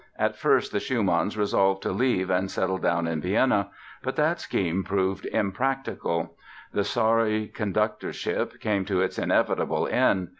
At first the Schumanns resolved to leave and settle down in Vienna. But that scheme proved impractical. The sorry conductorship came to its inevitable end.